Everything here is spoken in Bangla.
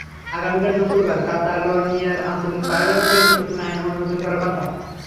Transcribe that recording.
আগামীকাল শুক্রবার কাতালোনিয়ার আঞ্চলিক পার্লামেন্ট একটি নতুন আইন অনুমোদন করার কথা।